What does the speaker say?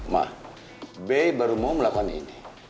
ma be baru mau melakukan ini